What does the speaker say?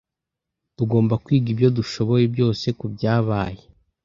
Tugomba kwiga ibyo dushoboye byose kubyabaye.